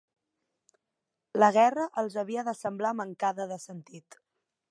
La guerra els havia de semblar mancada de sentit